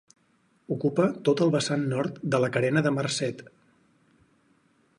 Ocupa tot el vessant nord de la Carena del Marcet.